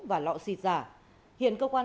và lọ xịt giả hiện cơ quan